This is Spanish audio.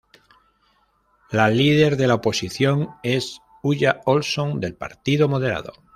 La líder de la oposición es Ulla Olson, del Partido Moderado.